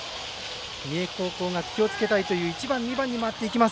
三重高校が気をつけたいという１番、２番に回っていきます。